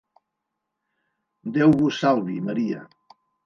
Déu vos salvi, Maria!